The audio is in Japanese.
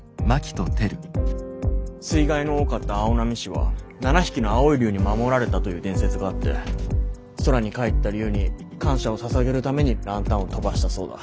水害の多かった青波市は７匹の青い龍に守られたという伝説があって空に帰った龍に感謝をささげるためにランタンを飛ばしたそうだ。